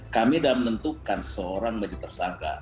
kami sudah menentukan seorang baju tersangka